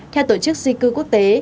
theo tổ chức di cư quốc tế